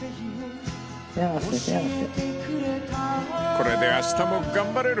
［これであしたも頑張れる。